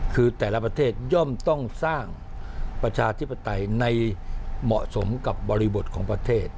คือแต่ละประเทศย่อมต้องสร้างประชาธิปไตยในเหมาะสมกับบริบทของประเทศ